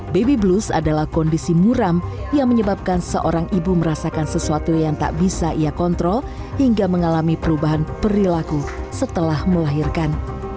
baby blues adalah kondisi muram yang menyebabkan seorang ibu merasakan sesuatu yang tak bisa ia kontrol hingga mengalami perubahan perilaku setelah melahirkan